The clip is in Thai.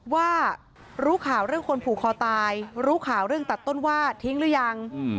ว่ารู้ข่าวเรื่องคนผูกคอตายรู้ข่าวเรื่องตัดต้นว่าทิ้งหรือยัง